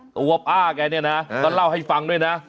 ตัวป้าแกเนี่ยนะก็เล่าให้ฟังด้วยนะ